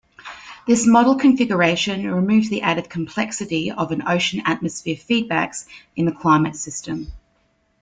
This model configuration removes the added complexity of ocean-atmosphere feedbacks in the climate system.